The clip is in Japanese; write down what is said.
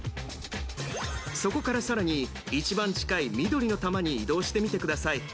そこからさらに一番近い緑の球に移動してみてください。